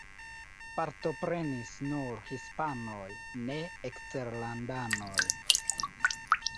Partoprenis nur hispanoj, ne eksterlandanoj.